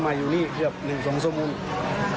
มาที่นี่เฉียบ๑๒ทะวัน